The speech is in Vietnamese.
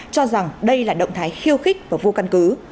cho rằng đây là động thái khiêu khích và vô căn cứ